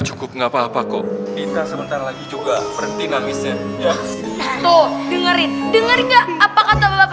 cukup nggak apa apa kok bisa sebentar lagi juga berhenti nangisnya dengerin denger nggak apa apa